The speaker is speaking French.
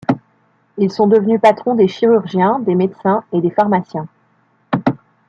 Ils sont devenus patrons des chirurgiens, des médecins et des pharmaciens.